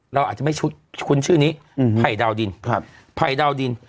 เราอาจจะไม่ชุดคุณชื่อนี้ภัยดาวดินภัยดาวดิน